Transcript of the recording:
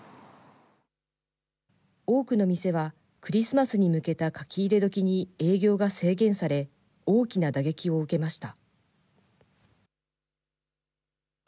多くの店はクリスマスに向けた書き入れ時に営業が制限され、大きな打撃を受けました。